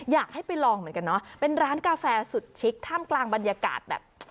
อยากให้ไปลองเหมือนกันเนาะเป็นร้านกาแฟสุดชิคท่ามกลางบรรยากาศแบบ